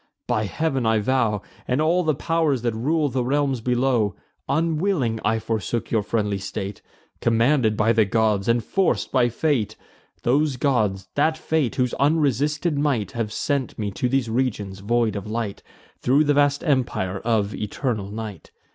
By Heav'n, I vow, And all the pow'rs that rule the realms below, Unwilling I forsook your friendly state, Commanded by the gods, and forc'd by fate. Those gods, that fate, whose unresisted might Have sent me to these regions void of light, Thro' the vast empire of eternal night.